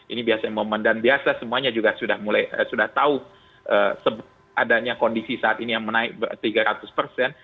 ini biasanya momen dan biasa semuanya juga sudah tahu adanya kondisi saat ini yang menaik tiga ratus persen